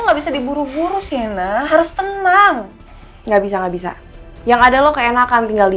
nggak bisa diburu buru sih nak harus tenang nggak bisa nggak bisa yang ada lo keenakan tinggal di